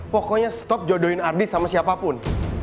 pokoknya stop jodohin artis sama siapapun